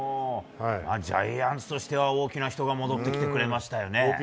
ジャイアンツとしては大きな人が戻ってくれましたね。